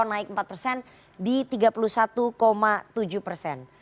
naik empat persen di tiga puluh satu tujuh persen